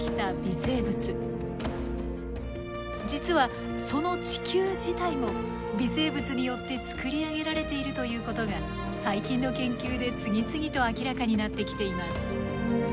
実はその地球自体も微生物によって作り上げられているということが最近の研究で次々と明らかになってきています。